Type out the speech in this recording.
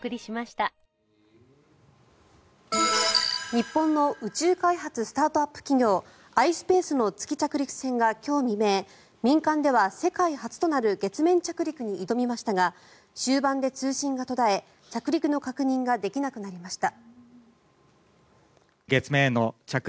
日本の宇宙開発スタートアップ企業ｉｓｐａｃｅの月着陸船が今日未明民間では世界初となる月面着陸に挑みましたが終盤で通信が途絶え着陸の確認ができなくなりました。